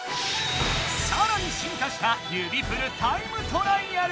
さらに進化した指プルタイムトライアル！